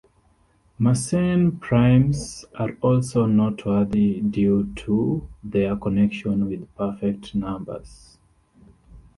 Mersenne primes are also noteworthy due to their connection with perfect numbers.